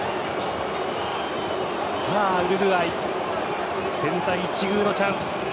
さあ、ウルグアイ千載一遇のチャンス。